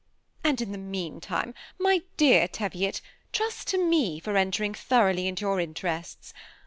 And in the meanwhile, my dear Teviot, trust to me for entering thoroughly into your interests.